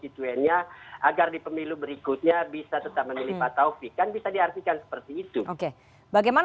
itu untuk melakukan perubahan